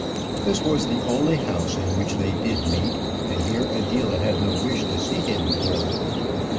This was the only house in which they did meet, and here Adela had no wish to see him more.